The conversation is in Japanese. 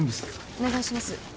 お願いします。